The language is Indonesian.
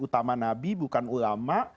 utama nabi bukan ulama